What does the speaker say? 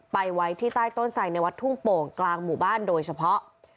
ไว้ที่ใต้ต้นไสในวัดทุ่งโป่งกลางหมู่บ้านโดยเฉพาะ